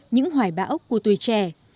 những hoài bão của tuổi trẻ